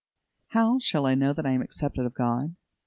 How shall I know that I am accepted of God?